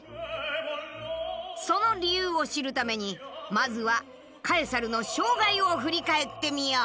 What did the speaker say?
その理由を知るためにまずはカエサルの生涯を振り返ってみよう。